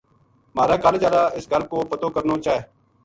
مھہار کالج ہالا اس گل کو پتو کرنو چا